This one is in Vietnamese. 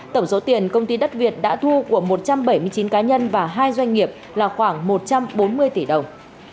tổng số tiền công ty đất việt đã thu của một trăm bảy mươi chín cá nhân và hai doanh nghiệp là khoảng một trăm bốn mươi tỷ đồng